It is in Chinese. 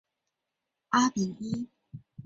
阿比伊。